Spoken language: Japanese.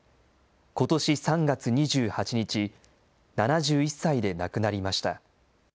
ことし３月２８日、７１歳で亡くなりました。